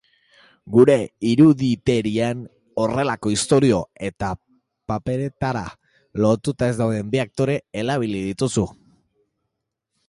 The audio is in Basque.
Gure iruditerian horrelako istorio eta paperetara lotuta ez dauden bi aktore erabili dituzu.